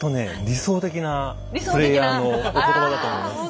理想的なプレイヤーのお言葉だと思います。